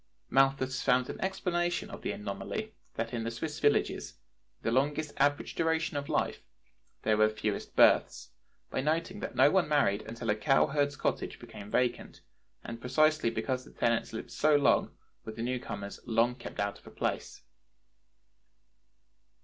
Malthus found an explanation of the anomaly that in the Swiss villages, with the longest average duration of life, there were the fewest births, by noting that no one married until a cow herd's cottage became vacant, and precisely because the tenants lived so long were the new comers long kept out of a place.